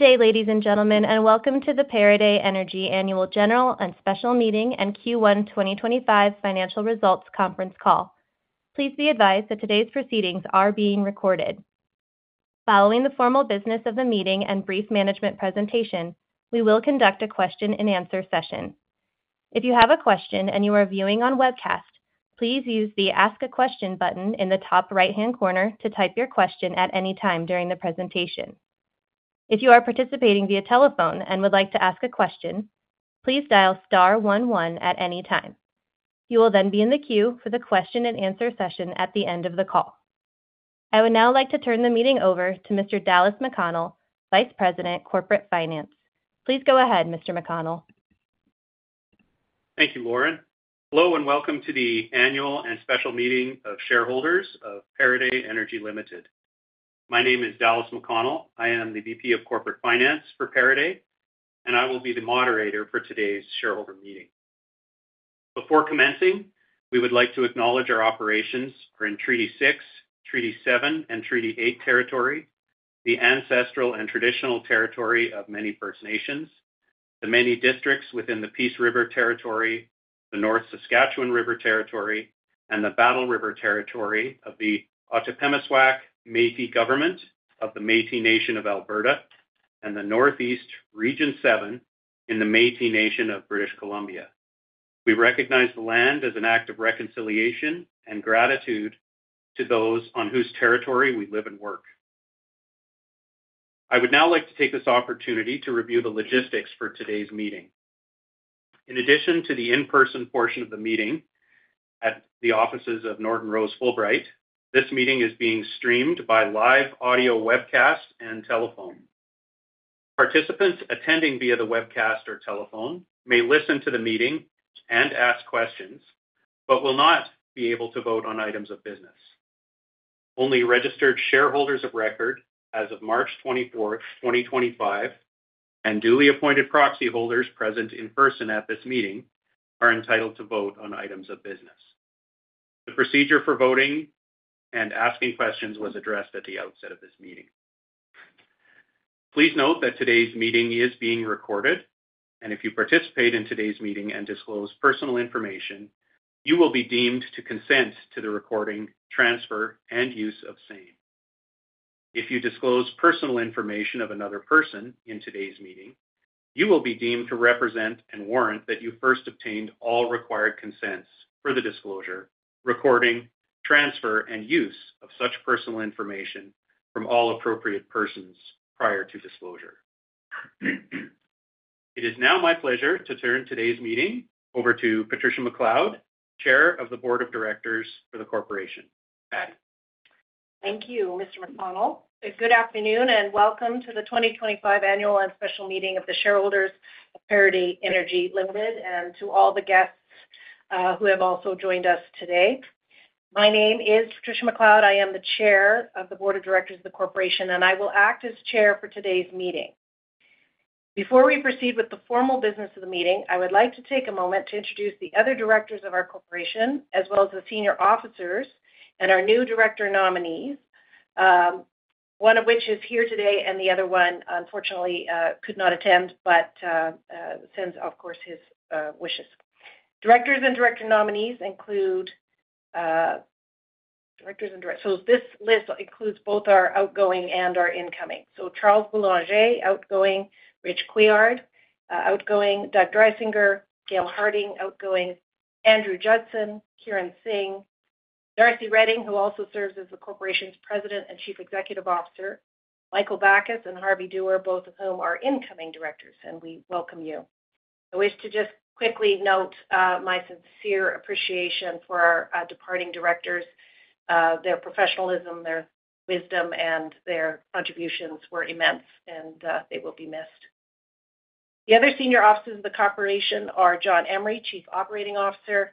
Good day, ladies and gentlemen, and welcome to the Pieridae Energy Annual General and Special Meeting and Q1 2025 Financial Results Conference Call. Please be advised that today's proceedings are being recorded. Following the formal business of the meeting and brief management presentation, we will conduct a question-and-answer session. If you have a question and you are viewing on webcast, please use the Ask a Question button in the top right-hand corner to type your question at any time during the presentation. If you are participating via telephone and would like to ask a question, please dial star one one at any time. You will then be in the queue for the question-and-answer session at the end of the call. I would now like to turn the meeting over to Mr. Dallas McConnell, Vice President, Corporate Finance. Please go ahead, Mr. McConnell. Thank you, Lauren. Hello and welcome to the Annual and Special Meeting of Shareholders of Pieridae Energy Limited. My name is Dallas McConnell. I am the VP of Corporate Finance for Pieridae, and I will be the moderator for today's shareholder meeting. Before commencing, we would like to acknowledge our operations in Treaty 6, Treaty 7, and Treaty 8 territory, the ancestral and traditional territory of many First Nations, the many districts within the Peace River Territory, the North Saskatchewan River Territory, and the Battle River Territory of the Otipemisiwak Métis government of the Métis Nation of Alberta, and the Northeast Region 7 in the Métis Nation of British Columbia. We recognize the land as an act of reconciliation and gratitude to those on whose territory we live and work. I would now like to take this opportunity to review the logistics for today's meeting. In addition to the in-person portion of the meeting at the offices of Norton Rose Fulbright, this meeting is being streamed by live audio webcast and telephone. Participants attending via the webcast or telephone may listen to the meeting and ask questions but will not be able to vote on items of business. Only registered shareholders of record as of March 24, 2025, and duly appointed proxy holders present in person at this meeting are entitled to vote on items of business. The procedure for voting and asking questions was addressed at the outset of this meeting. Please note that today's meeting is being recorded, and if you participate in today's meeting and disclose personal information, you will be deemed to consent to the recording, transfer, and use of same. If you disclose personal information of another person in today's meeting, you will be deemed to represent and warrant that you first obtained all required consents for the disclosure, recording, transfer, and use of such personal information from all appropriate persons prior to disclosure. It is now my pleasure to turn today's meeting over to Patricia McCloud, Chair of the Board of Directors for the corporation, Patty. Thank you, Mr. McConnell. Good afternoon and welcome to the 2025 Annual and Special Meeting of the Shareholders of Pieridae Energy Limited and to all the guests who have also joined us today. My name is Patricia McCloud. I am the Chair of the Board of Directors of the corporation, and I will act as Chair for today's meeting. Before we proceed with the formal business of the meeting, I would like to take a moment to introduce the other directors of our Corporation, as well as the senior officers and our new director nominees, one of which is here today and the other one, unfortunately, could not attend but sends, of course, his wishes. Directors and director nominees include directors and director. So this list includes both our outgoing and our incoming. Charles Boulanger, outgoing; Rich Couillard, outgoing; Doug Dreisinger; Gail Harding, outgoing; Andrew Judson; Keiran Singh; Darcy Reding, who also serves as the corporation's President and Chief Executive Officer; Michael Backus; and Harvey Doerr, both of whom are incoming directors, and we welcome you. I wish to just quickly note my sincere appreciation for our departing directors. Their professionalism, their wisdom, and their contributions were immense, and they will be missed. The other senior officers of the corporation are John Emery, Chief Operating Officer;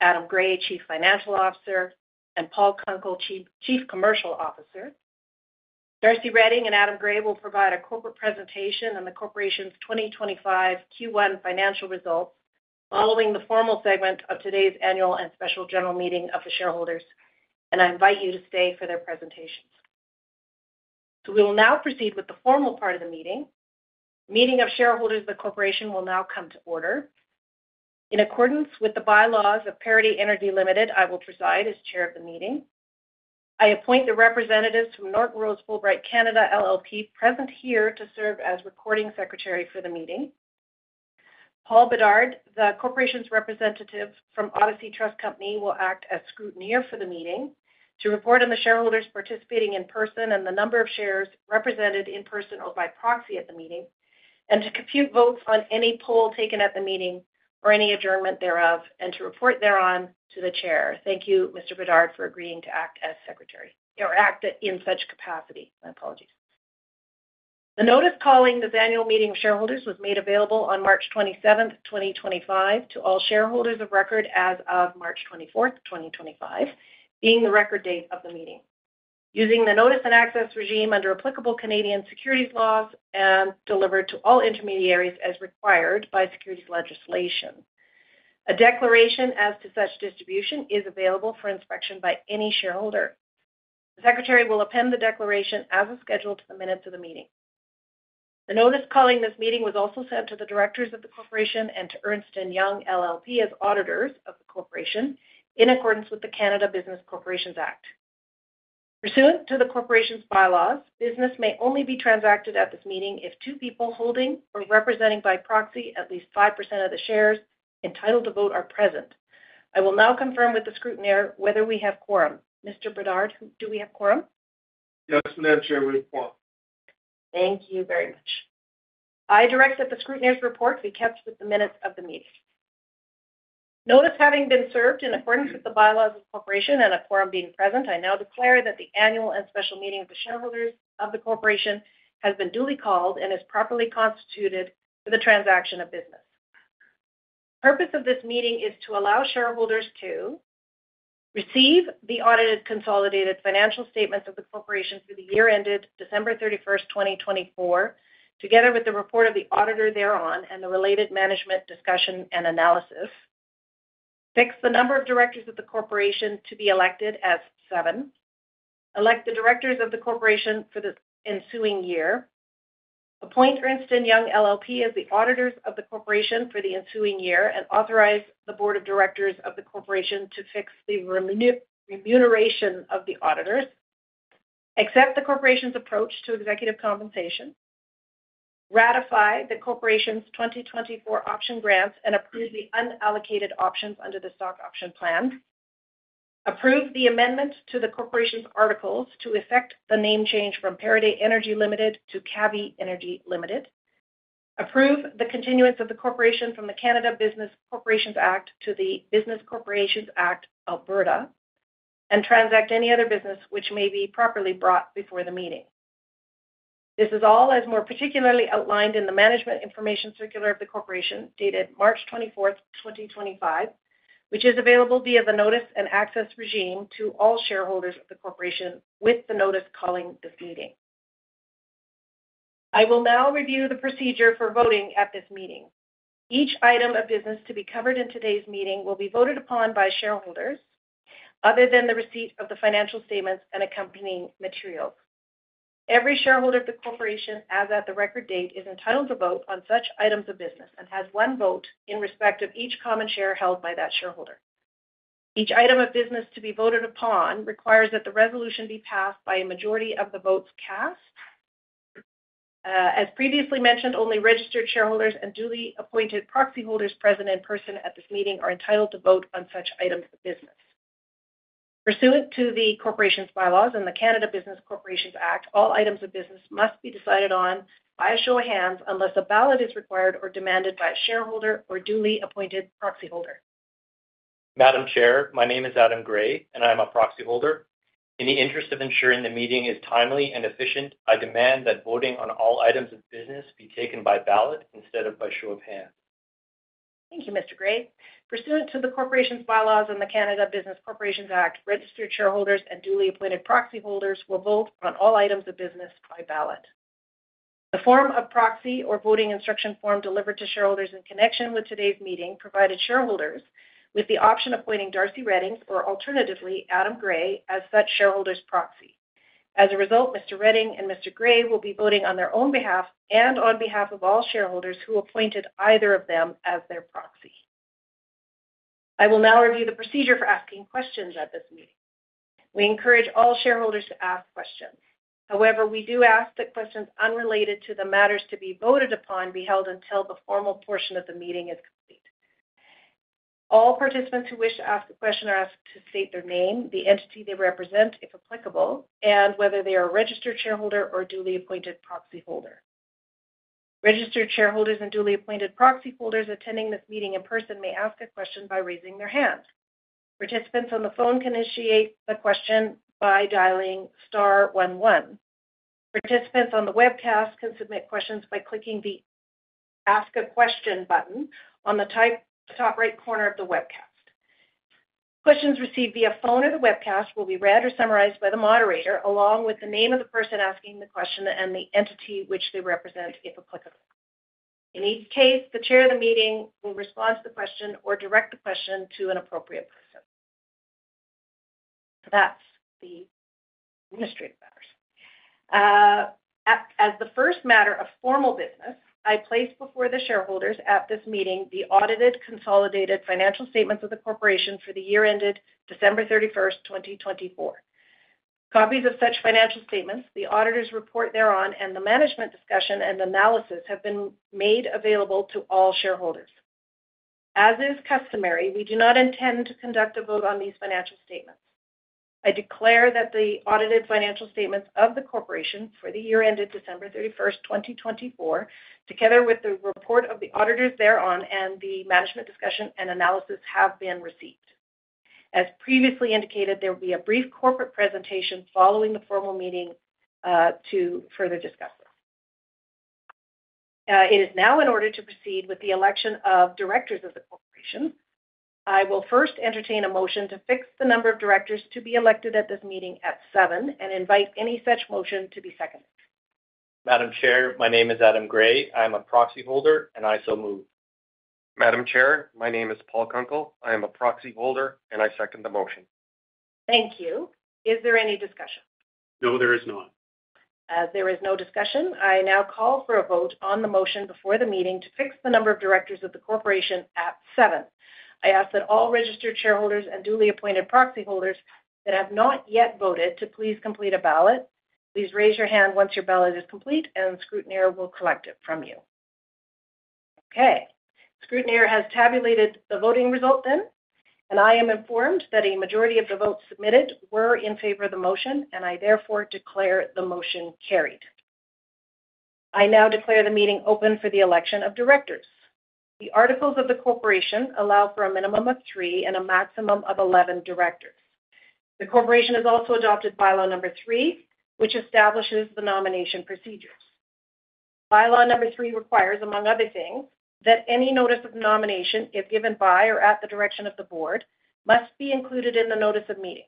Adam Gray, Chief Financial Officer; and Paul Kunkel, Chief Commercial Officer. Darcy Reding and Adam Gray will provide a corporate presentation on the corporation's 2025 Q1 financial results following the formal segment of today's Annual and Special General Meeting of the Shareholders, and I invite you to stay for their presentations. We will now proceed with the formal part of the meeting. Meeting of shareholders of the corporation will now come to order. In accordance with the bylaws of Pieridae Energy Limited, I will preside as Chair of the meeting. I appoint the representatives from Norton Rose Fulbright Canada, LLP, present here to serve as Recording Secretary for the meeting. Paul Bedard, the corporation's representative from Odyssey Trust Company, will act as scrutineer for the meeting, to report on the shareholders participating in person and the number of shares represented in person or by proxy at the meeting, and to compute votes on any poll taken at the meeting or any adjournment thereof, and to report thereon to the Chair. Thank you, Mr. Bedard, for agreeing to act as Secretary or act in such capacity. My apologies. The notice calling this Annual Meeting of Shareholders was made available on March 27, 2025, to all shareholders of record as of March 24, 2025, being the record date of the meeting. Using the notice and access regime under applicable Canadian securities laws and delivered to all intermediaries as required by securities legislation. A declaration as to such distribution is available for inspection by any shareholder. The Secretary will append the declaration as scheduled to the minutes of the meeting. The notice calling this meeting was also sent to the directors of the corporation and to Ernst & Young, LLP, as auditors of the corporation in accordance with the Canada Business Corporations Act. Pursuant to the corporation's bylaws, business may only be transacted at this meeting if two people holding or representing by proxy at least 5% of the shares entitled to vote are present. I will now confirm with the scrutineer whether we have quorum. Mr. Bedard, do we have quorum? Yes, Madam Chair, we have quorum. Thank you very much. I direct that the scrutineers' report be kept with the minutes of the meeting. Notice having been served in accordance with the bylaws of the corporation and a quorum being present, I now declare that the Annual and Special Meeting of the Shareholders of the corporation has been duly called and is properly constituted for the transaction of business. The purpose of this meeting is to allow shareholders to: receive the audited consolidated financial statements of the corporation for the year ended December 31, 2024, together with the report of the auditor thereon and the related management discussion and analysis; fix the number of directors of the corporation to be elected as seven; elect the directors of the corporation for the ensuing year; appoint Ernst & Young, LLP, as the auditors of the corporation for the ensuing year; and authorize the Board of Directors of the corporation to fix the remuneration of the auditors; accept the corporation's approach to executive compensation; ratify the corporation's 2024 option grants and approve the unallocated options under the stock option plan; approve the amendment to the corporation's articles to effect the name change from Pieridae Energy Limited to Cavvy Energy Limited; approve the continuance of the corporation from the Canada Business Corporations Act to the Business Corporations Act, Alberta; and transact any other business which may be properly brought before the meeting. This is all as more particularly outlined in the Management Information Circular of the corporation dated March 24, 2025, which is available via the notice and access regime to all shareholders of the corporation with the notice calling this meeting. I will now review the procedure for voting at this meeting. Each item of business to be covered in today's meeting will be voted upon by shareholders other than the receipt of the financial statements and accompanying materials. Every shareholder of the corporation, as at the record date, is entitled to vote on such items of business and has one vote in respect of each common share held by that shareholder. Each item of business to be voted upon requires that the resolution be passed by a majority of the votes cast. As previously mentioned, only registered shareholders and duly appointed proxy holders present in person at this meeting are entitled to vote on such items of business. Pursuant to the corporation's bylaws and the Canada Business Corporations Act, all items of business must be decided on by a show of hands unless a ballot is required or demanded by a shareholder or duly appointed proxy holder. Madam Chair, my name is Adam Gray, and I am a proxy holder. In the interest of ensuring the meeting is timely and efficient, I demand that voting on all items of business be taken by ballot instead of by show of hands. Thank you, Mr. Gray. Pursuant to the corporation's bylaws and the Canada Business Corporations Act, registered shareholders and duly appointed proxy holders will vote on all items of business by ballot. The form of proxy or voting instruction form delivered to shareholders in connection with today's meeting provided shareholders with the option of appointing Darcy Reding or alternatively Adam Gray as such shareholder's proxy. As a result, Mr. Reding and Mr. Gray will be voting on their own behalf and on behalf of all shareholders who appointed either of them as their proxy. I will now review the procedure for asking questions at this meeting. We encourage all shareholders to ask questions. However, we do ask that questions unrelated to the matters to be voted upon be held until the formal portion of the meeting is complete. All participants who wish to ask a question are asked to state their name, the entity they represent, if applicable, and whether they are a registered shareholder or duly appointed proxy holder. Registered shareholders and duly appointed proxy holders attending this meeting in person may ask a question by raising their hand. Participants on the phone can initiate the question by dialing star 11. Participants on the webcast can submit questions by clicking the Ask a Question button on the top right corner of the webcast. Questions received via phone or the webcast will be read or summarized by the moderator along with the name of the person asking the question and the entity which they represent, if applicable. In each case, the Chair of the meeting will respond to the question or direct the question to an appropriate person. That is the administrative matters. As the first matter of formal business, I place before the shareholders at this meeting the audited consolidated financial statements of the corporation for the year ended December 31st 2024. Copies of such financial statements, the auditor's report thereon, and the management discussion and analysis have been made available to all shareholders. As is customary, we do not intend to conduct a vote on these financial statements. I declare that the audited financial statements of the corporation for the year ended December 31st 2024, together with the report of the auditors thereon and the management discussion and analysis have been received. As previously indicated, there will be a brief corporate presentation following the formal meeting to further discuss this. It is now in order to proceed with the election of directors of the corporation. I will first entertain a motion to fix the number of directors to be elected at this meeting at seven and invite any such motion to be seconded. Madam Chair, my name is Adam Gray. I am a proxy holder, and I so move. Madam Chair, my name is Paul Kunkel. I am a proxy holder, and I second the motion. Thank you. Is there any discussion? No, there is not. As there is no discussion, I now call for a vote on the motion before the meeting to fix the number of directors of the corporation at seven. I ask that all registered shareholders and duly appointed proxy holders that have not yet voted to please complete a ballot. Please raise your hand once your ballot is complete, and the scrutineer will collect it from you. Okay. Scrutineer has tabulated the voting result then, and I am informed that a majority of the votes submitted were in favor of the motion, and I therefore declare the motion carried. I now declare the meeting open for the election of directors. The articles of the corporation allow for a minimum of three and a maximum of 11 directors. The corporation has also adopted bylaw number three, which establishes the nomination procedures. Bylaw number three requires, among other things, that any notice of nomination, if given by or at the direction of the Board, must be included in the notice of meeting,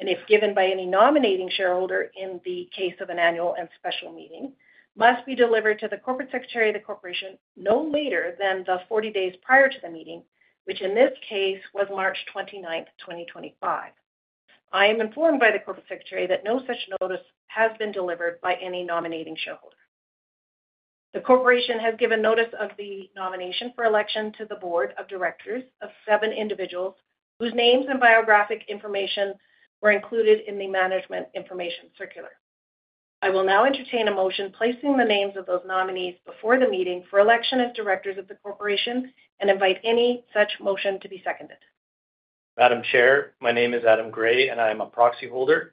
and if given by any nominating shareholder in the case of an Annual and Special Meeting, must be delivered to the Corporate Secretary of the corporation no later than 40 days prior to the meeting, which in this case was March 29th 2025. I am informed by the Corporate Secretary that no such notice has been delivered by any nominating shareholder. The corporation has given notice of the nomination for election to the Board of Directors of seven individuals whose names and biographic information were included in the Management Information Circular. I will now entertain a motion placing the names of those nominees before the meeting for election as directors of the corporation and invite any such motion to be seconded. Madam Chair, my name is Adam Gray, and I am a proxy holder,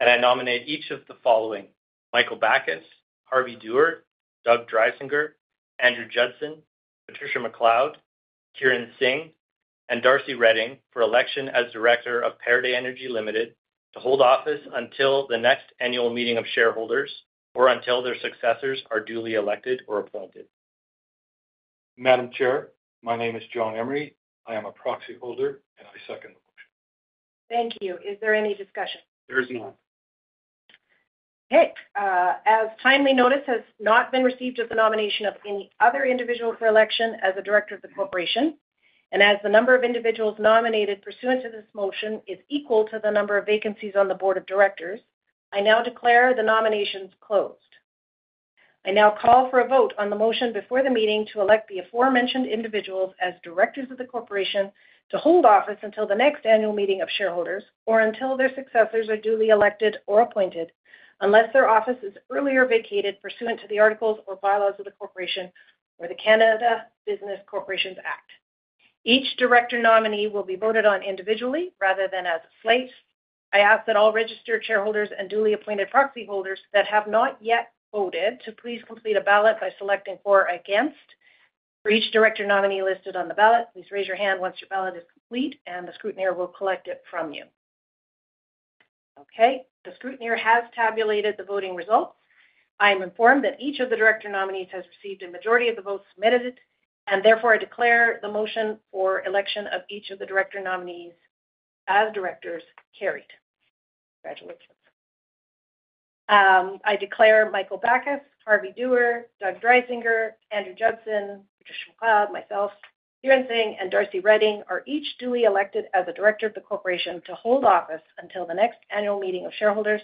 and I nominate each of the following: Michael Backus, Harvey Doerr, Doug Dreisinger, Andrew Judson, Patricia McCloud, Keiran Singh, and Darcy Reding for election as Director of Pieridae Energy Limited to hold office until the next Annual Meeting of Shareholders or until their successors are duly elected or appointed. Madam Chair, my name is John Emery. I am a proxy holder, and I second the motion. Thank you. Is there any discussion? There is not. Okay. As timely notice has not been received of the nomination of any other individual for election as a Director of the corporation, and as the number of individuals nominated pursuant to this motion is equal to the number of vacancies on the Board of Directors, I now declare the nominations closed. I now call for a vote on the motion before the meeting to elect the aforementioned individuals as Directors of the corporation to hold office until the next Annual Meeting of Shareholders or until their successors are duly elected or appointed unless their office is earlier vacated pursuant to the articles or bylaws of the corporation or the Canada Business Corporations Act. Each Director nominee will be voted on individually rather than as a slate. I ask that all registered shareholders and duly appointed proxy holders that have not yet voted to please complete a ballot by selecting for or against. For each Director nominee listed on the ballot, please raise your hand once your ballot is complete, and the scrutineer will collect it from you. Okay. The scrutineer has tabulated the voting results. I am informed that each of the Director nominees has received a majority of the votes submitted, and therefore I declare the motion for election of each of the Director nominees as Directors carried. Congratulations. I declare Michael Backus, Harvey Doerr, Doug Dreisinger, Andrew Judson, Patricia McCloud, myself, Keiran Singh, and Darcy Reding are each duly elected as a Director of the corporation to hold office until the next Annual Meeting of Shareholders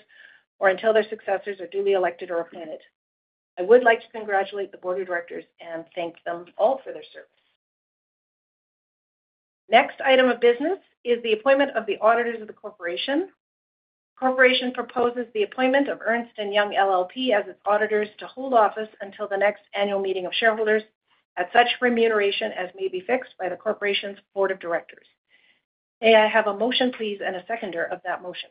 or until their successors are duly elected or appointed. I would like to congratulate the Board of Directors and thank them all for their service. Next item of business is the appointment of the auditors of the corporation. The corporation proposes the appointment of Ernst & Young, LLP, as its auditors to hold office until the next Annual Meeting of Shareholders at such remuneration as may be fixed by the corporation's Board of Directors. May I have a motion, please, and a seconder of that motion?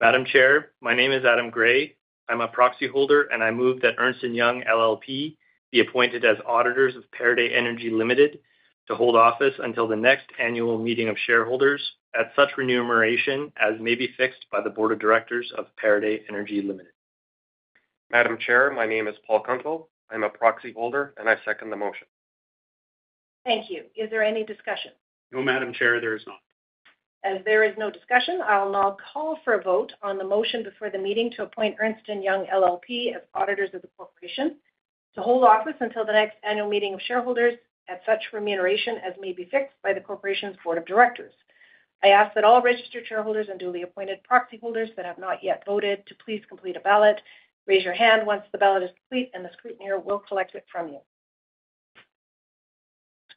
Madam Chair, my name is Adam Gray. I'm a proxy holder, and I move that Ernst & Young, LLP, be appointed as auditors of Pieridae Energy Limited to hold office until the next Annual Meeting of Shareholders at such remuneration as may be fixed by the Board of Directors of Pieridae Energy Limited. Madam Chair, my name is Paul Kunkel. I'm a proxy holder, and I second the motion. Thank you. Is there any discussion? No, Madam Chair, there is not. As there is no discussion, I'll now call for a vote on the motion before the meeting to appoint Ernst & Young, LLP, as auditors of the corporation to hold office until the next Annual Meeting of Shareholders at such remuneration as may be fixed by the corporation's Board of Directors. I ask that all registered shareholders and duly appointed proxy holders that have not yet voted to please complete a ballot. Raise your hand once the ballot is complete, and the scrutineer will collect it from you.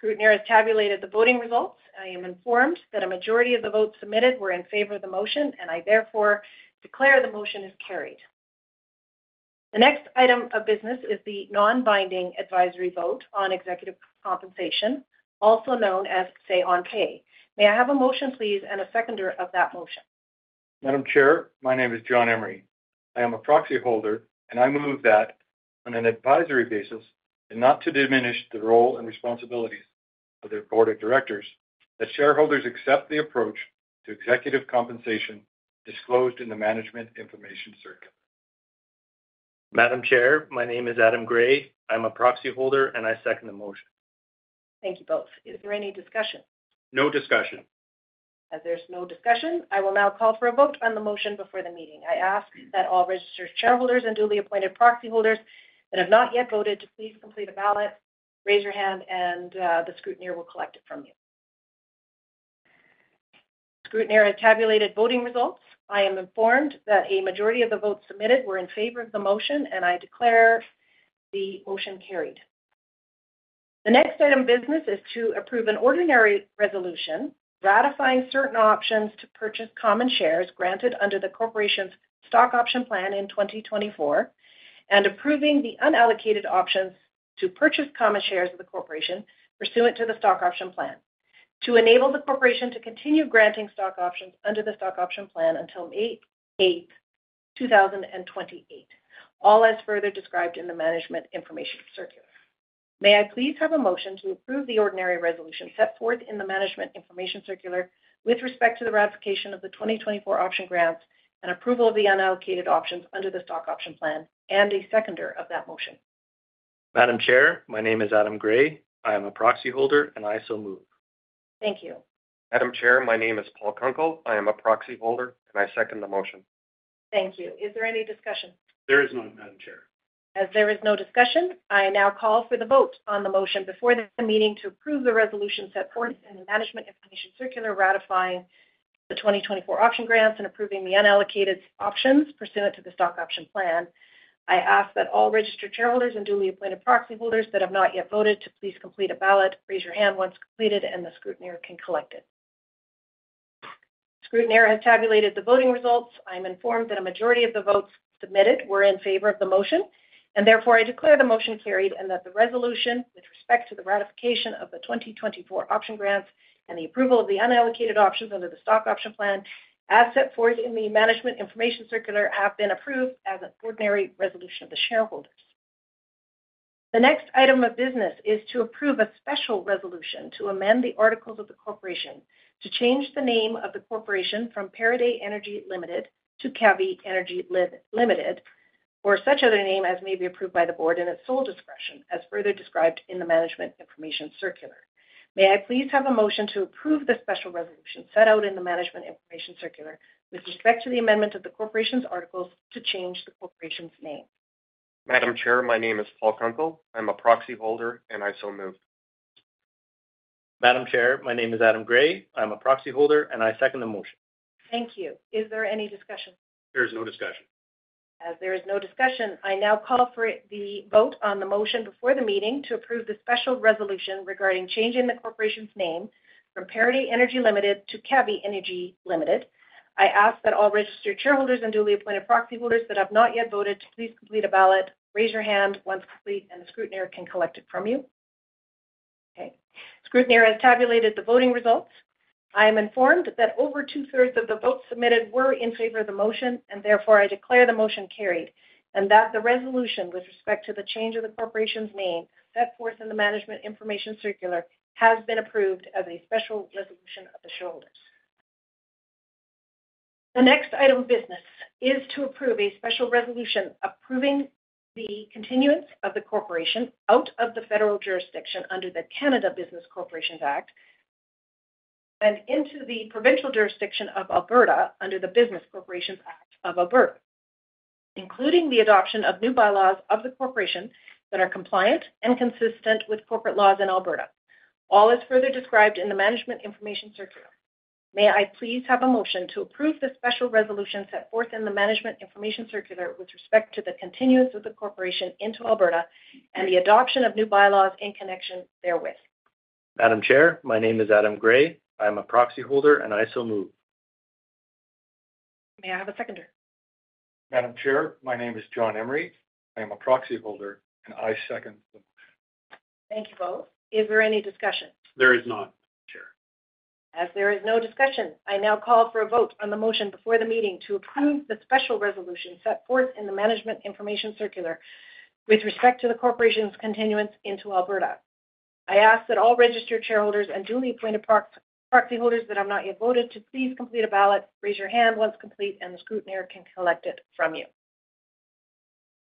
The scrutineer has tabulated the voting results. I am informed that a majority of the votes submitted were in favor of the motion, and I therefore declare the motion is carried. The next item of business is the non-binding advisory vote on executive compensation, also known as say-on-pay. May I have a motion, please, and a seconder of that motion? Madam Chair, my name is John Emery. I am a proxy holder, and I move that on an advisory basis and not to diminish the role and responsibilities of the Board of Directors that shareholders accept the approach to executive compensation disclosed in the Management Information Circular. Madam Chair, my name is Adam Gray. I'm a proxy holder, and I second the motion. Thank you both. Is there any discussion? No discussion. As there's no discussion, I will now call for a vote on the motion before the meeting. I ask that all registered shareholders and duly appointed proxy holders that have not yet voted to please complete a ballot. Raise your hand, and the scrutineer will collect it from you. The scrutineer has tabulated voting results. I am informed that a majority of the votes submitted were in favor of the motion, and I declare the motion carried. The next item of business is to approve an ordinary resolution ratifying certain options to purchase common shares granted under the corporation's Stock Option Plan in 2024 and approving the unallocated options to purchase common shares of the corporation pursuant to the Stock Option Plan to enable the corporation to continue granting stock options under the Stock Option Plan until May 8, 2028, all as further described in the Management Information Circular. May I please have a motion to approve the ordinary resolution set forth in the Management Information Circular with respect to the ratification of the 2024 option grants and approval of the unallocated options under the Stock Option Plan and a seconder of that motion? Madam Chair, my name is Adam Gray. I am a proxy holder, and I so move. Thank you. Madam Chair, my name is Paul Kunkel. I am a proxy holder, and I second the motion. Thank you. Is there any discussion? There is not, Madam Chair. As there is no discussion, I now call for the vote on the motion before the meeting to approve the resolution set forth in the Management Information Circular ratifying the 2024 option grants and approving the unallocated options pursuant to the Stock Option Plan. I ask that all registered shareholders and duly appointed proxy holders that have not yet voted to please complete a ballot. Raise your hand once completed, and the scrutineer can collect it. The scrutineer has tabulated the voting results. I am informed that a majority of the votes submitted were in favor of the motion, and therefore I declare the motion carried and that the resolution with respect to the ratification of the 2024 option grants and the approval of the unallocated options under the Stock Option Plan as set forth in the Management Information Circular have been approved as an ordinary resolution of the shareholders. The next item of business is to approve a special resolution to amend the articles of the corporation to change the name of the corporation from Pieridae Energy Limited to Cavvy Energy Limited or such other name as may be approved by the Board in its sole discretion as further described in the Management Information Circular. May I please have a motion to approve the special resolution set out in the Management Information Circular with respect to the amendment of the corporation's articles to change the corporation's name? Madam Chair, my name is Paul Kunkel. I'm a proxy holder, and I so move. Madam Chair, my name is Adam Gray. I'm a proxy holder, and I second the motion. Thank you. Is there any discussion? There is no discussion. As there is no discussion, I now call for the vote on the motion before the meeting to approve the special resolution regarding changing the corporation's name from Pieridae Energy Limited to Cavvy Energy Limited. I ask that all registered shareholders and duly appointed proxy holders that have not yet voted to please complete a ballot. Raise your hand once complete, and the scrutineer can collect it from you. Okay. The scrutineer has tabulated the voting results. I am informed that over two-thirds of the votes submitted were in favor of the motion, and therefore I declare the motion carried and that the resolution with respect to the change of the corporation's name set forth in the Management Information Circular has been approved as a special resolution of the shareholders. The next item of business is to approve a special resolution approving the continuance of the corporation out of the federal jurisdiction under the Canada Business Corporations Act and into the provincial jurisdiction of Alberta under the Business Corporations Act of Alberta, including the adoption of new bylaws of the corporation that are compliant and consistent with corporate laws in Alberta, all as further described in the Management Information Circular. May I please have a motion to approve the special resolution set forth in the Management Information Circular with respect to the continuance of the corporation into Alberta and the adoption of new bylaws in connection therewith? Madam Chair, my name is Adam Gray. I'm a proxy holder, and I so move. May I have a seconder? Madam Chair, my name is John Emery. I'm a proxy holder, and I second the motion. Thank you both. Is there any discussion? There is not, Madam Chair. As there is no discussion, I now call for a vote on the motion before the meeting to approve the special resolution set forth in the Management Information Circular with respect to the corporation's continuance into Alberta. I ask that all registered shareholders and duly appointed proxy holders that have not yet voted to please complete a ballot. Raise your hand once complete, and the scrutineer can collect it from you.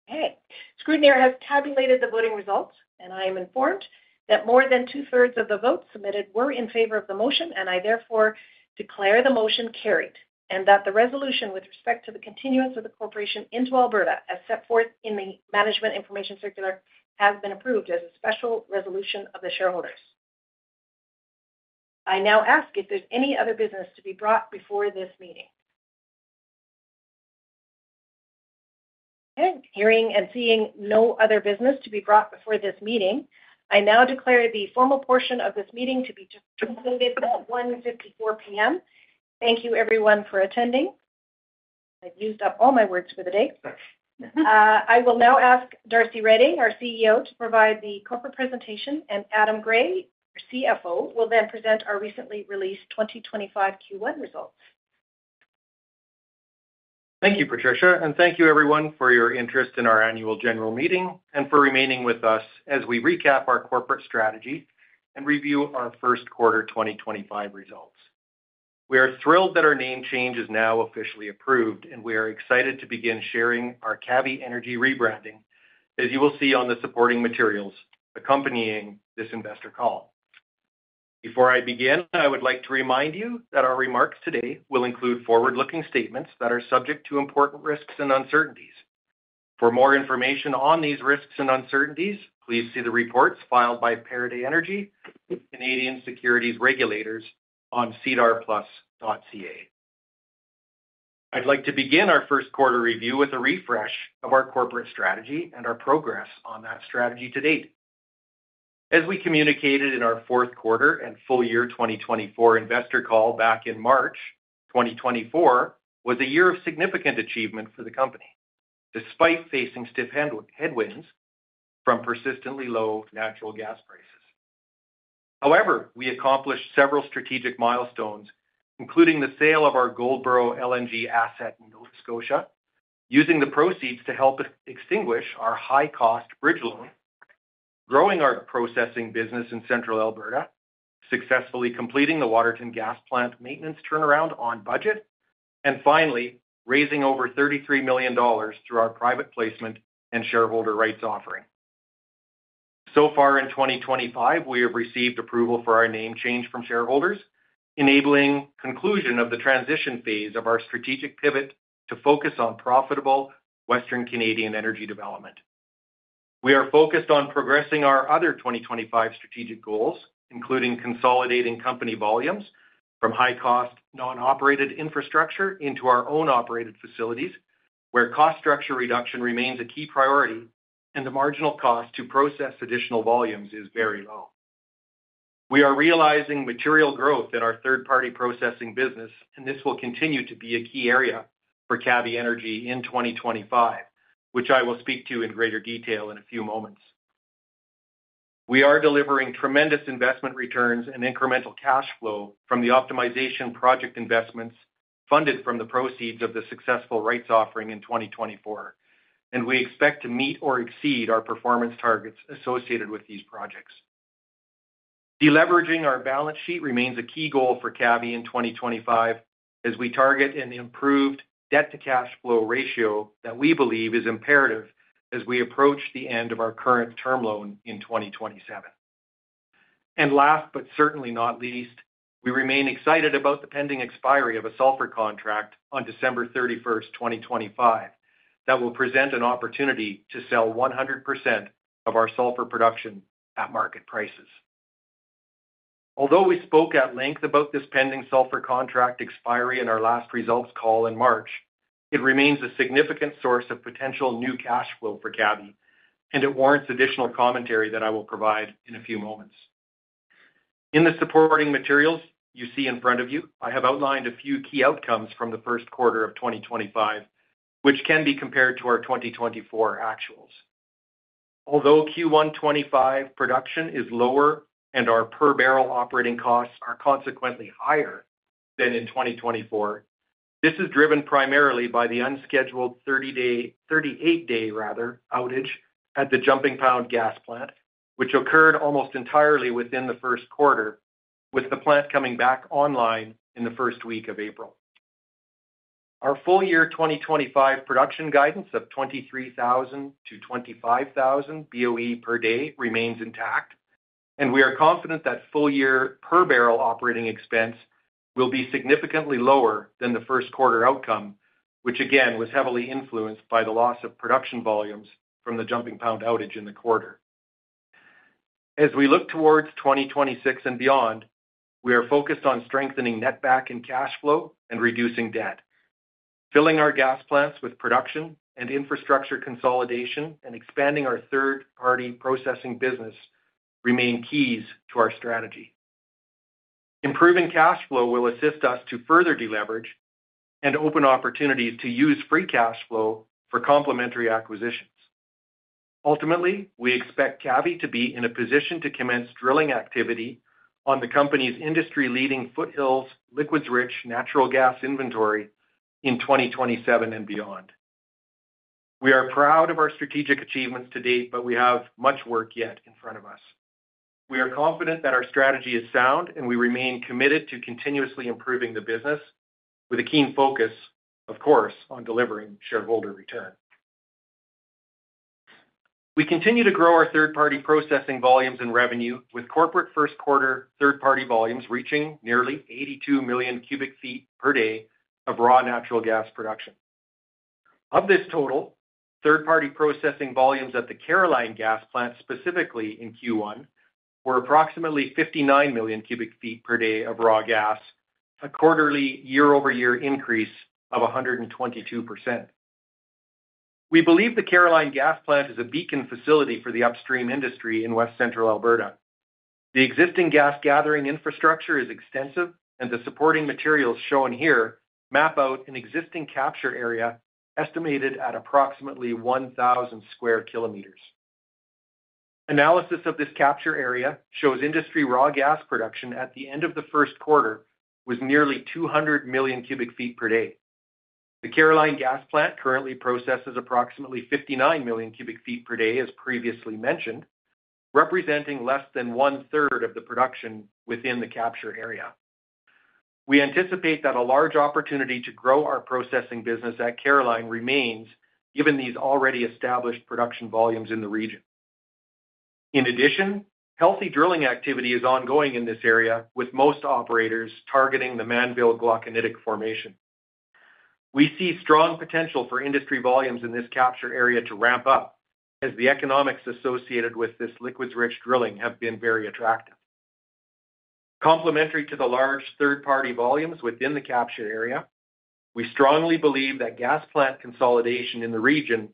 Okay. The scrutineer has tabulated the voting results, and I am informed that more than two-thirds of the votes submitted were in favor of the motion, and I therefore declare the motion carried and that the resolution with respect to the continuance of the corporation into Alberta as set forth in the Management Information Circular has been approved as a special resolution of the shareholders. I now ask if there's any other business to be brought before this meeting. Okay. Hearing and seeing no other business to be brought before this meeting, I now declare the formal portion of this meeting to be concluded at 1:54 P.M. Thank you, everyone, for attending. I've used up all my words for the day. I will now ask Darcy Reding, our CEO, to provide the corporate presentation, and Adam Gray, our CFO, will then present our recently released 2025 Q1 results. Thank you, Patricia, and thank you, everyone, for your interest in our Annual General Meeting and for remaining with us as we recap our corporate strategy and review our first quarter 2025 results. We are thrilled that our name change is now officially approved, and we are excited to begin sharing our Cavvy Energy rebranding, as you will see on the supporting materials accompanying this investor call. Before I begin, I would like to remind you that our remarks today will include forward-looking statements that are subject to important risks and uncertainties. For more information on these risks and uncertainties, please see the reports filed by Pieridae Energy and Canadian Securities Regulators on cedarplus.ca. I'd like to begin our first quarter review with a refresh of our corporate strategy and our progress on that strategy to date. As we communicated in our fourth quarter and full year 2024 investor call back in March 2024, it was a year of significant achievement for the company despite facing stiff headwinds from persistently low natural gas prices. However, we accomplished several strategic milestones, including the sale of our Goldboro LNG asset in Scotia, using the proceeds to help extinguish our high-cost bridge loan, growing our processing business in Central Alberta, successfully completing the Waterton gas plant maintenance turnaround on budget, and finally, raising over 33 million dollars through our private placement and shareholder rights offering. So far in 2025, we have received approval for our name change from shareholders, enabling the conclusion of the transition phase of our strategic pivot to focus on profitable Western Canadian energy development. We are focused on progressing our other 2025 strategic goals, including consolidating company volumes from high-cost non-operated infrastructure into our own operated facilities, where cost structure reduction remains a key priority and the marginal cost to process additional volumes is very low. We are realizing material growth in our third-party processing business, and this will continue to be a key area for Cavvy Energy in 2025, which I will speak to in greater detail in a few moments. We are delivering tremendous investment returns and incremental cash flow from the optimization project investments funded from the proceeds of the successful rights offering in 2024, and we expect to meet or exceed our performance targets associated with these projects. Deleveraging our balance sheet remains a key goal for Cavvy in 2025 as we target an improved debt-to-cash flow ratio that we believe is imperative as we approach the end of our current term loan in 2027. Last but certainly not least, we remain excited about the pending expiry of a sulfur contract on December 31, 2025, that will present an opportunity to sell 100% of our sulfur production at market prices. Although we spoke at length about this pending sulfur contract expiry in our last results call in March, it remains a significant source of potential new cash flow for Cavvy, and it warrants additional commentary that I will provide in a few moments. In the supporting materials you see in front of you, I have outlined a few key outcomes from the first quarter of 2025, which can be compared to our 2024 actuals. Although Q1 2025 production is lower and our per barrel operating costs are consequently higher than in 2024, this is driven primarily by the unscheduled 38-day outage at the Jumpingpound gas plant, which occurred almost entirely within the first quarter, with the plant coming back online in the first week of April. Our full year 2025 production guidance of 23,000-25,000 BOE per day remains intact, and we are confident that full year per barrel operating expense will be significantly lower than the first quarter outcome, which again was heavily influenced by the loss of production volumes from the Jumpingpound outage in the quarter. As we look towards 2026 and beyond, we are focused on strengthening net back and cash flow and reducing debt. Filling our gas plants with production and infrastructure consolidation and expanding our third-party processing business remain keys to our strategy. Improving cash flow will assist us to further deleverage and open opportunities to use free cash flow for complementary acquisitions. Ultimately, we expect Cavvy to be in a position to commence drilling activity on the company's industry-leading Foothills liquids-rich natural gas inventory in 2027 and beyond. We are proud of our strategic achievements to date, but we have much work yet in front of us. We are confident that our strategy is sound, and we remain committed to continuously improving the business with a keen focus, of course, on delivering shareholder return. We continue to grow our third-party processing volumes and revenue, with corporate first-quarter third-party volumes reaching nearly 82 million cu ft per day of raw natural gas production. Of this total, third-party processing volumes at the Caroline gas plant, specifically in Q1, were approximately 59 million cu ft per day of raw gas, a quarterly year-over-year increase of 122%. We believe the Caroline gas plant is a beacon facility for the upstream industry in West Central Alberta. The existing gas gathering infrastructure is extensive, and the supporting materials shown here map out an existing capture area estimated at approximately 1,000 sq km. Analysis of this capture area shows industry raw gas production at the end of the first quarter was nearly 200 million cu ft per day. The Caroline gas plant currently processes approximately 59 million cu ft per day, as previously mentioned, representing less than one-third of the production within the capture area. We anticipate that a large opportunity to grow our processing business at Caroline remains given these already established production volumes in the region. In addition, healthy drilling activity is ongoing in this area, with most operators targeting the Manville Glauconitic Formation. We see strong potential for industry volumes in this capture area to ramp up as the economics associated with this liquids-rich drilling have been very attractive. Complementary to the large third-party volumes within the capture area, we strongly believe that gas plant consolidation in the region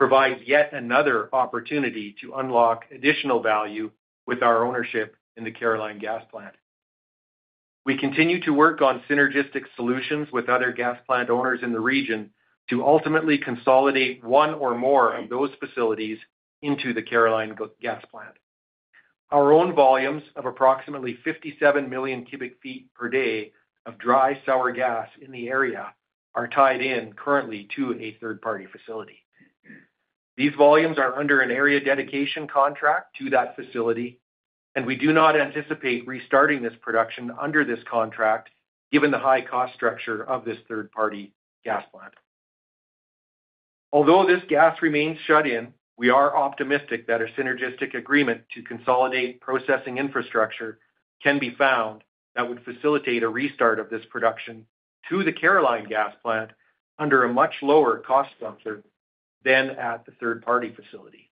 provides yet another opportunity to unlock additional value with our ownership in the Caroline gas plant. We continue to work on synergistic solutions with other gas plant owners in the region to ultimately consolidate one or more of those facilities into the Caroline gas plant. Our own volumes of approximately 57 million cu ft per day of dry sour gas in the area are tied in currently to a third-party facility. These volumes are under an area dedication contract to that facility, and we do not anticipate restarting this production under this contract given the high-cost structure of this third-party gas plant. Although this gas remains shut in, we are optimistic that a synergistic agreement to consolidate processing infrastructure can be found that would facilitate a restart of this production to the Caroline gas plant under a much lower cost structure than at the third-party facility.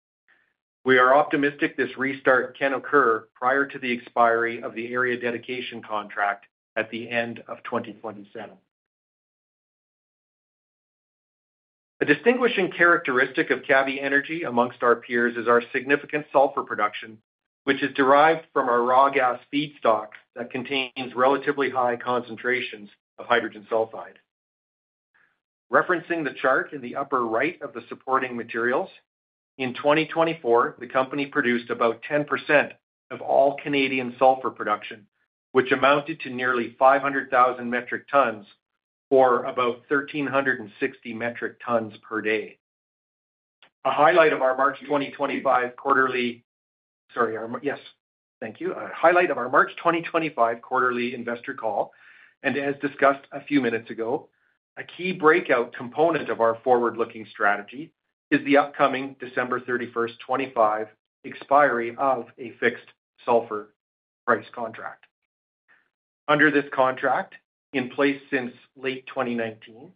We are optimistic this restart can occur prior to the expiry of the area dedication contract at the end of 2027. A distinguishing characteristic of Cavvy Energy amongst our peers is our significant sulfur production, which is derived from our raw gas feedstock that contains relatively high concentrations of hydrogen sulfide. Referencing the chart in the upper right of the supporting materials, in 2024, the company produced about 10% of all Canadian sulfur production, which amounted to nearly 500,000 metric tons or about 1,360 metric tons per day. A highlight of our March 2025 quarterly—sorry, yes, thank you—a highlight of our March 2025 quarterly investor call, and as discussed a few minutes ago, a key breakout component of our forward-looking strategy is the upcoming December 31st 2025 expiry of a fixed sulfur price contract. Under this contract, in place since late 2019,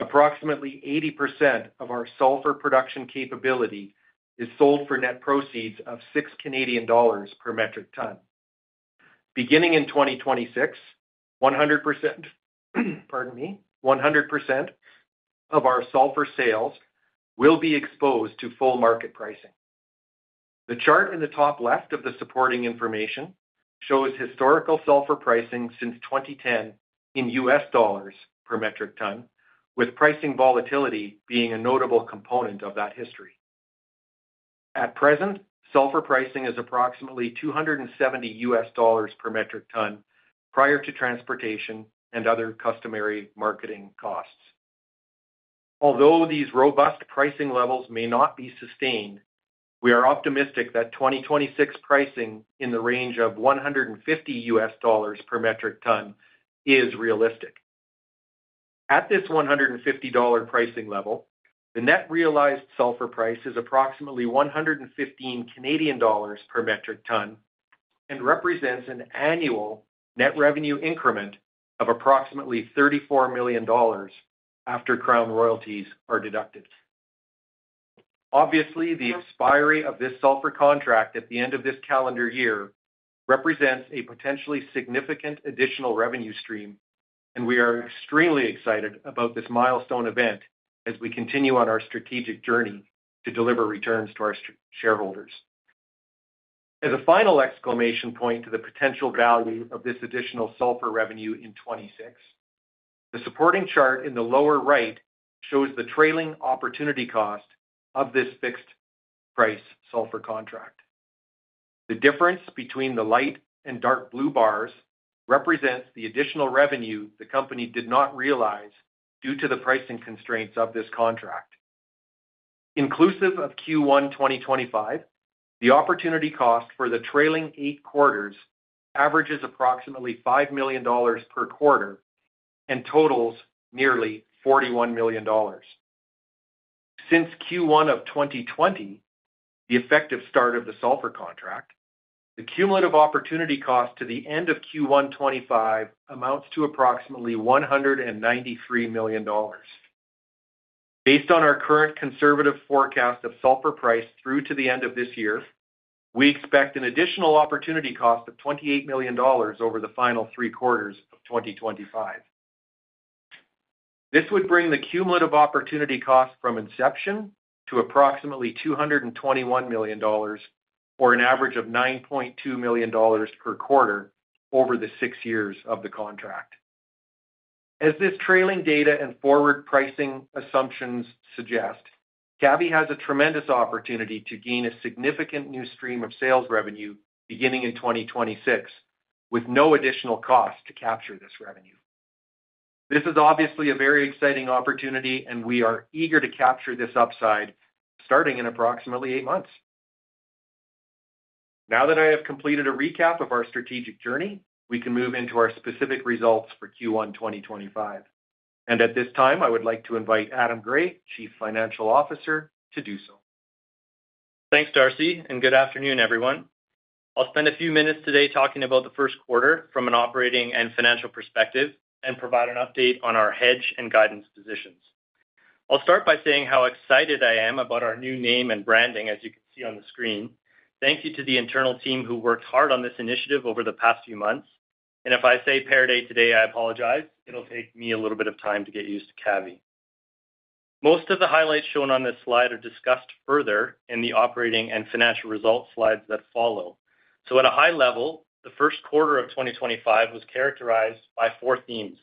approximately 80% of our sulfur production capability is sold for net proceeds of 6 Canadian dollars per metric ton. Beginning in 2026, 100%—pardon me—100% of our sulfur sales will be exposed to full market pricing. The chart in the top left of the supporting information shows historical sulfur pricing since 2010 in U.S. dollars per metric ton, with pricing volatility being a notable component of that history. At present, sulfur pricing is approximately $270 per metric ton prior to transportation and other customary marketing costs. Although these robust pricing levels may not be sustained, we are optimistic that 2026 pricing in the range of $150 per metric ton is realistic. At this $150 pricing level, the net realized sulfur price is approximately 115 Canadian dollars per metric ton and represents an annual net revenue increment of approximately $34 million after crown royalties are deducted. Obviously, the expiry of this sulfur contract at the end of this calendar year represents a potentially significant additional revenue stream, and we are extremely excited about this milestone event as we continue on our strategic journey to deliver returns to our shareholders. As a final exclamation point to the potential value of this additional sulfur revenue in 2026, the supporting chart in the lower right shows the trailing opportunity cost of this fixed price sulfur contract. The difference between the light and dark blue bars represents the additional revenue the company did not realize due to the pricing constraints of this contract. Inclusive of Q1 2025, the opportunity cost for the trailing eight quarters averages approximately 5 million dollars per quarter and totals nearly 41 million dollars. Since Q1 of 2020, the effective start of the sulfur contract, the cumulative opportunity cost to the end of Q1 2025 amounts to approximately 193 million dollars. Based on our current conservative forecast of sulfur price through to the end of this year, we expect an additional opportunity cost of 28 million dollars over the final three quarters of 2025. This would bring the cumulative opportunity cost from inception to approximately 221 million dollars for an average of 9.2 million dollars per quarter over the six years of the contract. As this trailing data and forward pricing assumptions suggest, Cavvy has a tremendous opportunity to gain a significant new stream of sales revenue beginning in 2026 with no additional cost to capture this revenue. This is obviously a very exciting opportunity, and we are eager to capture this upside starting in approximately eight months. Now that I have completed a recap of our strategic journey, we can move into our specific results for Q1 2025. At this time, I would like to invite Adam Gray, Chief Financial Officer, to do so. Thanks, Darcy, and good afternoon, everyone. I'll spend a few minutes today talking about the first quarter from an operating and financial perspective and provide an update on our hedge and guidance positions. I'll start by saying how excited I am about our new name and branding, as you can see on the screen. Thank you to the internal team who worked hard on this initiative over the past few months. If I say Pieridae today, I apologize. It'll take me a little bit of time to get used to Cavvy. Most of the highlights shown on this slide are discussed further in the operating and financial results slides that follow. At a high level, the first quarter of 2025 was characterized by four themes.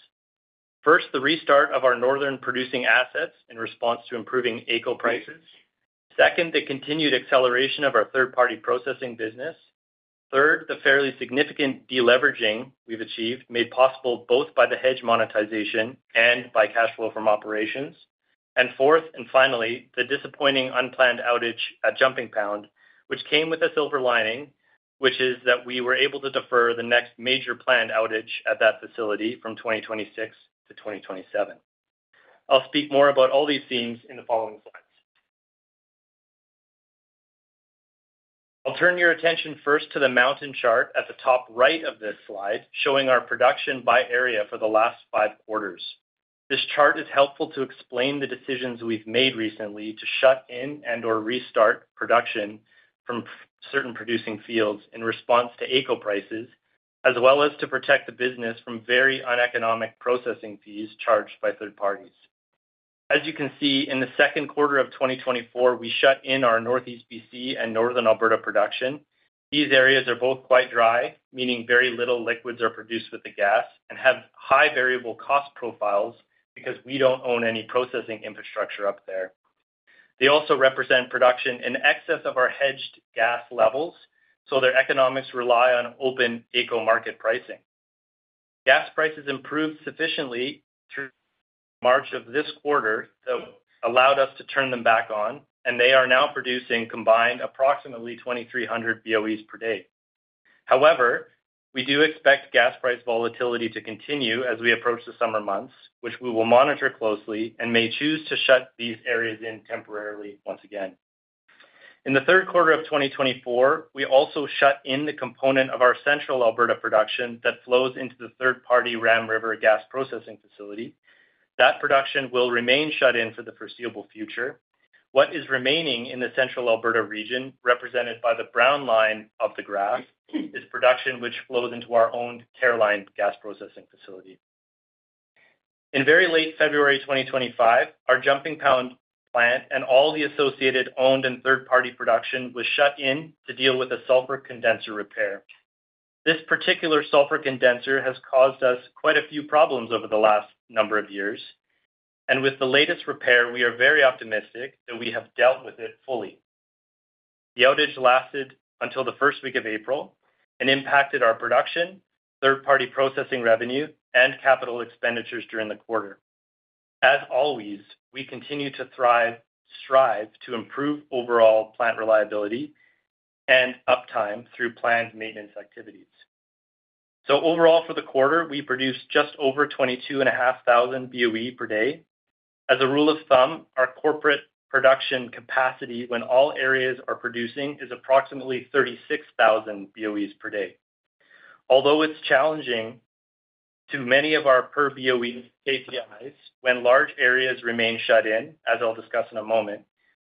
First, the restart of our northern producing assets in response to improving ACO prices. Second, the continued acceleration of our third-party processing business. Third, the fairly significant deleveraging we've achieved made possible both by the hedge monetization and by cash flow from operations. Fourth and finally, the disappointing unplanned outage at Jumpingpound, which came with a silver lining, which is that we were able to defer the next major planned outage at that facility from 2026 to 2027. I'll speak more about all these themes in the following slides. I'll turn your attention first to the mountain chart at the top right of this slide, showing our production by area for the last five quarters. This chart is helpful to explain the decisions we've made recently to shut in and/or restart production from certain producing fields in response to ACO prices, as well as to protect the business from very uneconomic processing fees charged by third parties. As you can see, in the second quarter of 2024, we shut in our Northeast BC and Northern Alberta production. These areas are both quite dry, meaning very little liquids are produced with the gas and have high variable cost profiles because we do not own any processing infrastructure up there. They also represent production in excess of our hedged gas levels, so their economics rely on open ACO market pricing. Gas prices improved sufficiently through March of this quarter, though, allowed us to turn them back on, and they are now producing combined approximately 2,300 BOE per day. However, we do expect gas price volatility to continue as we approach the summer months, which we will monitor closely and may choose to shut these areas in temporarily once again. In the third quarter of 2024, we also shut in the component of our Central Alberta production that flows into the third-party Ram River gas processing facility. That production will remain shut in for the foreseeable future. What is remaining in the Central Alberta region, represented by the brown line of the graph, is production which flows into our owned Caroline gas processing facility. In very late February 2025, our Jumpingpound plant and all the associated owned and third-party production was shut in to deal with a sulfur condenser repair. This particular sulfur condenser has caused us quite a few problems over the last number of years, and with the latest repair, we are very optimistic that we have dealt with it fully. The outage lasted until the first week of April and impacted our production, third-party processing revenue, and capital expenditures during the quarter. As always, we continue to thrive, strive to improve overall plant reliability and uptime through planned maintenance activities. Overall, for the quarter, we produced just over 22,500 BOE per day. As a rule of thumb, our corporate production capacity, when all areas are producing, is approximately 36,000 BOE per day. Although it is challenging to many of our per BOE KPIs when large areas remain shut in, as I will discuss in a moment,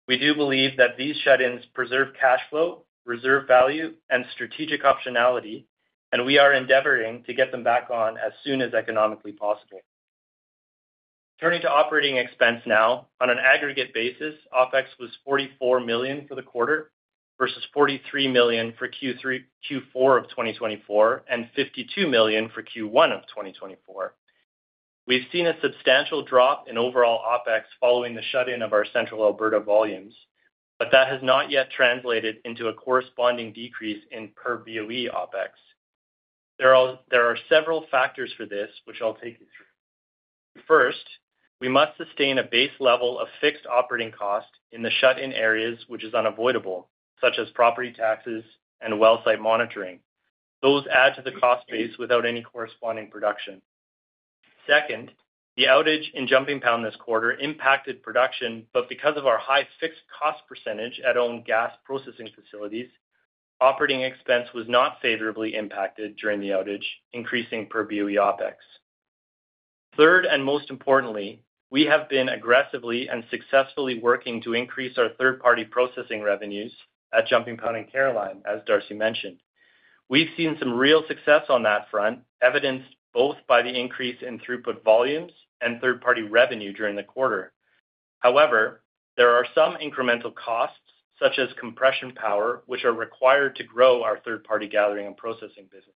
we do believe that these shut-ins preserve cash flow, reserve value, and strategic optionality, and we are endeavoring to get them back on as soon as economically possible. Turning to operating expense now, on an aggregate basis, OpEx was 44 million for the quarter versus 43 million for Q4 of 2024 and 52 million for Q1 of 2024. We've seen a substantial drop in overall OpEx following the shut-in of our Central Alberta volumes, but that has not yet translated into a corresponding decrease in per BOE OpEx. There are several factors for this, which I'll take you through. First, we must sustain a base level of fixed operating cost in the shut-in areas, which is unavoidable, such as property taxes and wellsite monitoring. Those add to the cost base without any corresponding production. Second, the outage in Jumpingpound this quarter impacted production, but because of our high fixed cost percentage at owned gas processing facilities, operating expense was not favorably impacted during the outage, increasing per BOE OpEx. Third, and most importantly, we have been aggressively and successfully working to increase our third-party processing revenues at Jumpingpound and Caroline, as Darcy mentioned. We've seen some real success on that front, evidenced both by the increase in throughput volumes and third-party revenue during the quarter. However, there are some incremental costs, such as compression power, which are required to grow our third-party gathering and processing business.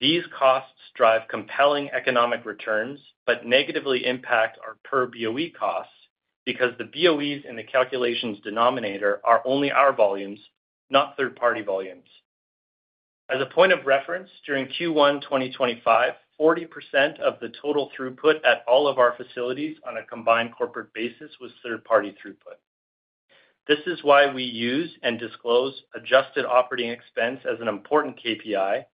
These costs drive compelling economic returns but negatively impact our per BOE costs because the BOEs in the calculation's denominator are only our volumes, not third-party volumes. As a point of reference, during Q1 2025, 40% of the total throughput at all of our facilities on a combined corporate basis was third-party throughput. This is why we use and disclose adjusted operating expense as an important KPI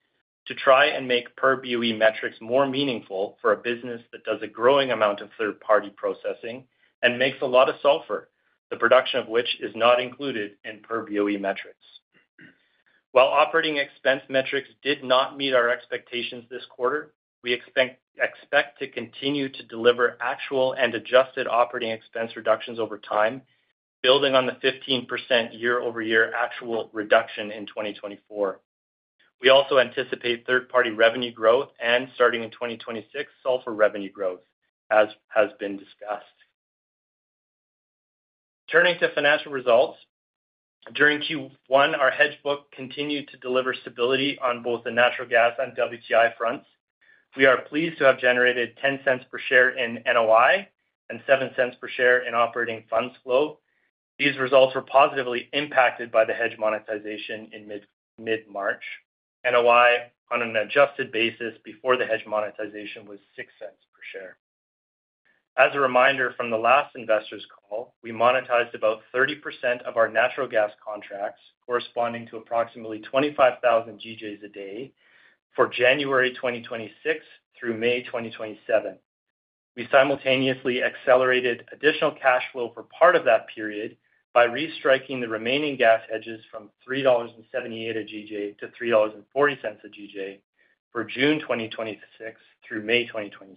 to try and make per BOE metrics more meaningful for a business that does a growing amount of third-party processing and makes a lot of sulfur, the production of which is not included in per BOE metrics. While operating expense metrics did not meet our expectations this quarter, we expect to continue to deliver actual and adjusted operating expense reductions over time, building on the 15% year-over-year actual reduction in 2024. We also anticipate third-party revenue growth and, starting in 2026, sulfur revenue growth, as has been discussed. Turning to financial results, during Q1, our hedge book continued to deliver stability on both the natural gas and WTI fronts. We are pleased to have generated $0.10 per share in NOI and $0.07 per share in operating funds flow. These results were positively impacted by the hedge monetization in mid-March. NOI on an adjusted basis before the hedge monetization was $0.06 per share. As a reminder from the last investors' call, we monetized about 30% of our natural gas contracts, corresponding to approximately 25,000 GJ a day for January 2026 through May 2027. We simultaneously accelerated additional cash flow for part of that period by restriking the remaining gas hedges from 3.78 dollars a GJ-CAD 3.40 a GJ for June 2026 through May 2027.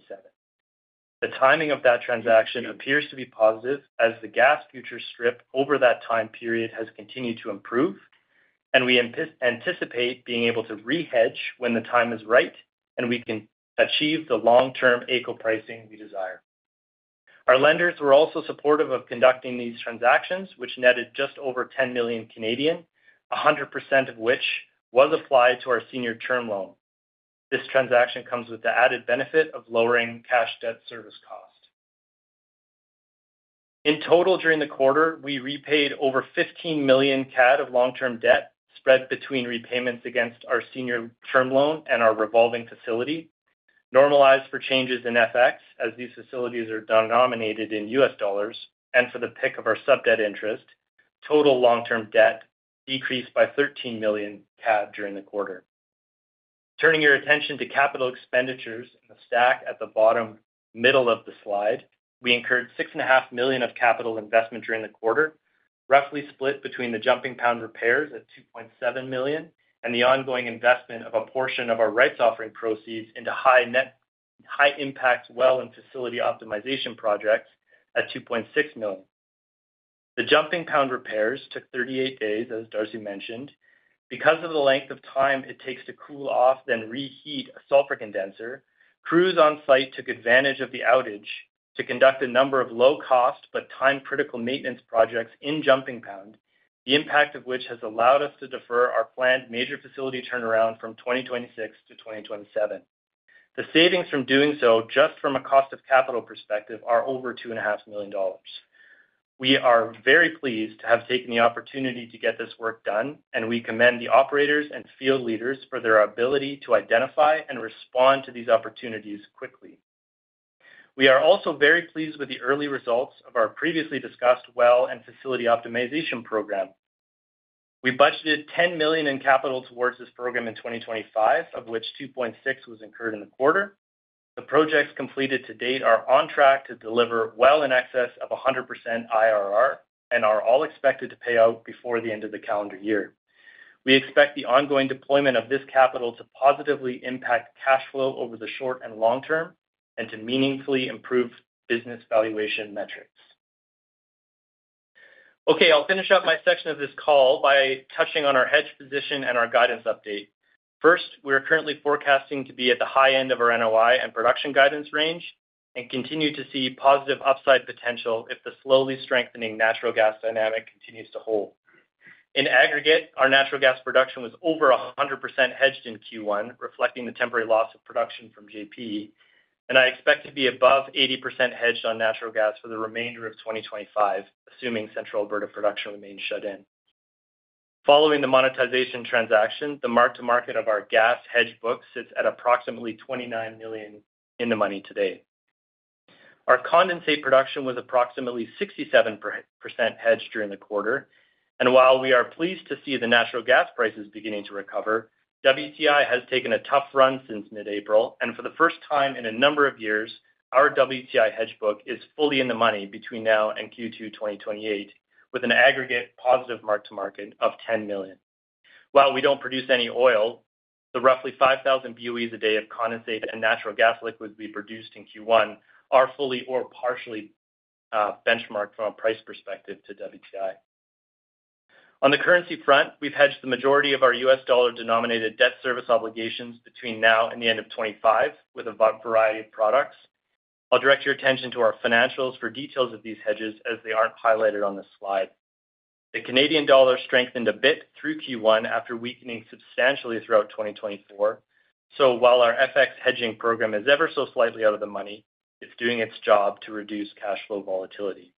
The timing of that transaction appears to be positive as the gas futures strip over that time period has continued to improve, and we anticipate being able to re-hedge when the time is right and we can achieve the long-term ACO pricing we desire. Our lenders were also supportive of conducting these transactions, which netted just over 10 million, 100% of which was applied to our senior term loan. This transaction comes with the added benefit of lowering cash debt service cost. In total, during the quarter, we repaid over 15 million CAD of long-term debt spread between repayments against our senior term loan and our revolving facility, normalized for changes in FX as these facilities are denominated in US dollars, and for the pick of our sub-debt interest, total long-term debt decreased by 13 million CAD during the quarter. Turning your attention to capital expenditures in the stack at the bottom middle of the slide, we incurred 6.5 million of capital investment during the quarter, roughly split between the Jumpingpound repairs at 2.7 million and the ongoing investment of a portion of our rights offering proceeds into high-impact well and facility optimization projects at 2.6 million. The Jumpingpound repairs took 38 days, as Darcy mentioned. Because of the length of time it takes to cool off then reheat a sulfur condenser, crews on site took advantage of the outage to conduct a number of low-cost but time-critical maintenance projects in Jumpingpound, the impact of which has allowed us to defer our planned major facility turnaround from 2026 to 2027. The savings from doing so, just from a cost of capital perspective, are over 2.5 million dollars. We are very pleased to have taken the opportunity to get this work done, and we commend the operators and field leaders for their ability to identify and respond to these opportunities quickly. We are also very pleased with the early results of our previously discussed well and facility optimization program. We budgeted 10 million in capital towards this program in 2025, of which 2.6 million was incurred in the quarter. The projects completed to date are on track to deliver well in excess of 100% IRR and are all expected to pay out before the end of the calendar year. We expect the ongoing deployment of this capital to positively impact cash flow over the short and long term and to meaningfully improve business valuation metrics. Okay, I'll finish up my section of this call by touching on our hedge position and our guidance update. First, we are currently forecasting to be at the high end of our NOI and production guidance range and continue to see positive upside potential if the slowly strengthening natural gas dynamic continues to hold. In aggregate, our natural gas production was over 100% hedged in Q1, reflecting the temporary loss of production from JP, and I expect to be above 80% hedged on natural gas for the remainder of 2025, assuming Central Alberta production remains shut in. Following the monetization transaction, the mark-to-market of our gas hedge book sits at approximately 29 million in the money today. Our condensate production was approximately 67% hedged during the quarter, and while we are pleased to see the natural gas prices beginning to recover, WTI has taken a tough run since mid-April, and for the first time in a number of years, our WTI hedge book is fully in the money between now and Q2 2028, with an aggregate positive mark-to-market of 10 million. While we don't produce any oil, the roughly 5,000 BOE a day of condensate and natural gas liquids we produced in Q1 are fully or partially benchmarked from a price perspective to WTI. On the currency front, we've hedged the majority of our US dollar-denominated debt service obligations between now and the end of 2025 with a variety of products. I'll direct your attention to our financials for details of these hedges, as they aren't highlighted on this slide. The Canadian dollar strengthened a bit through Q1 after weakening substantially throughout 2024, so while our FX hedging program is ever so slightly out of the money, it's doing its job to reduce cash flow volatility.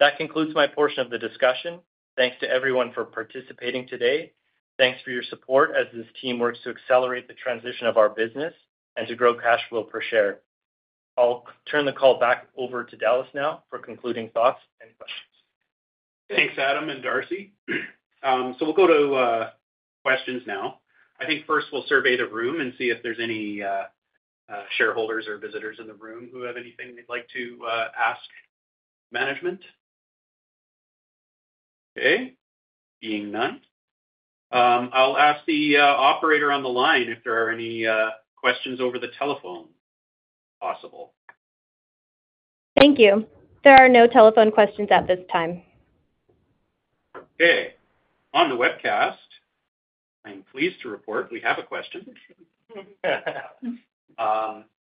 That concludes my portion of the discussion. Thanks to everyone for participating today. Thanks for your support as this team works to accelerate the transition of our business and to grow cash flow per share. I'll turn the call back over to Dallas now for concluding thoughts and questions. Thanks, Adam and Darcy. We'll go to questions now. I think first we'll survey the room and see if there's any shareholders or visitors in the room who have anything they'd like to ask management. Okay, being none, I'll ask the operator on the line if there are any questions over the telephone possible. Thank you. There are no telephone questions at this time. Okay, on the webcast, I'm pleased to report we have a question.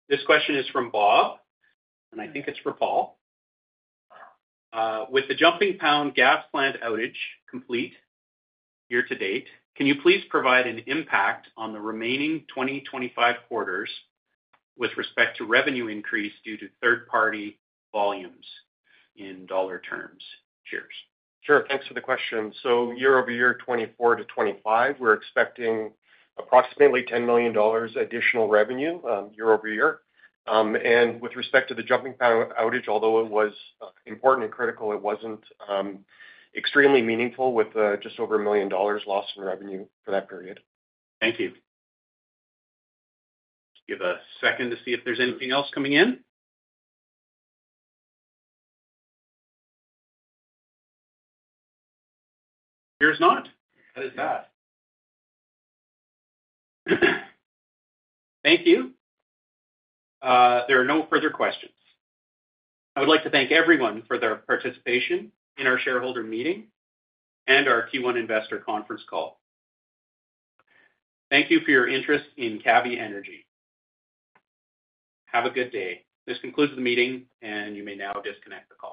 This question is from Bob, and I think it's for Paul. With the Jumpingpound gas plant outage complete year to date, can you please provide an impact on the remaining 2025 quarters with respect to revenue increase due to third-party volumes in dollar terms? Cheers. Sure, thanks for the question. Year-over-year, 2024 to 2025, we're expecting approximately 10 million dollars additional revenue year-over-year. With respect to the Jumpingpound outage, although it was important and critical, it was not extremely meaningful with just over 1 million dollars lost in revenue for that period. Thank you. Let's give a second to see if there's anything else coming in. There's not. That is that. Thank you. There are no further questions. I would like to thank everyone for their participation in our shareholder meeting and our Q1 investor conference call. Thank you for your interest in Cavvy Energy. Have a good day. This concludes the meeting, and you may now disconnect the call.